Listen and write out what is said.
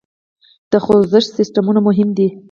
د خوزښت سیسټمونه مهم دي.